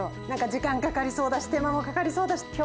なんか時間かかりそうだし、手間もかかりそうだし。